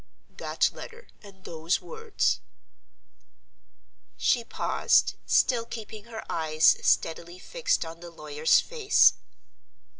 "That letter and those words." She paused, still keeping her eyes steadily fixed on the lawyer's face.